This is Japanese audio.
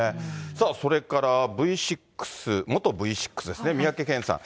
さあ、それからＶ６、元Ｖ６ですね、三宅健さん。